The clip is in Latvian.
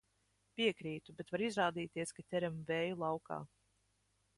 Piekrītu, bet var izrādīties, ka ķeram vēju laukā.